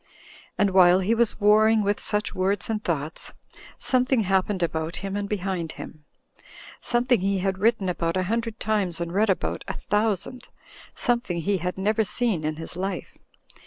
And while he was warring with such words and thoughts, something happened about him and behind him ; something he had written about a hundred times and read about a thousand; something he had never seen in his life.